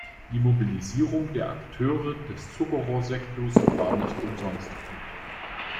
Die Mobilisierung der Akteure des Zuckerrohrsektors war nicht umsonst.